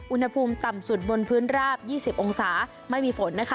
อุณหภูมิต่ำสุดบนพื้นราบ๒๐องศาไม่มีฝนนะคะ